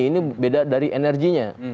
ini beda dari energinya